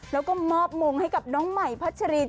แล้วก็มอบมงให้กับน้องใหม่พัชริน